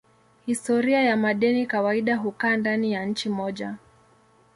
Historia ya madeni kawaida hukaa ndani ya nchi moja.